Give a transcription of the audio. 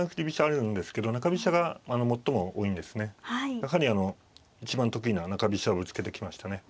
やはり一番得意な中飛車をぶつけてきましたね。